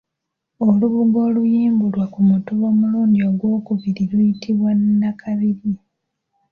Olubugo oluyimbulwa ku mutuba omulundi ogwokubiri luyitibwa Nakabirye.